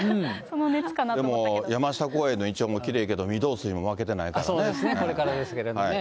でも山下公園のイチョウもきれいだけど、御堂筋も負けてないそうですね、これからですけどもね。